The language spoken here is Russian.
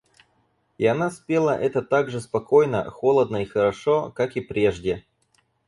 И она спела это так же спокойно, холодно и хорошо, как и прежде.